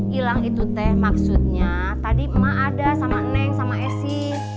kilang itu teh maksudnya tadi emak ada sama neng sama esi